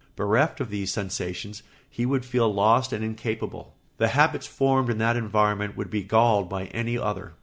Bereft of these sensations he would feel lost and incapable; the habits formed in that environment would be galled by any other.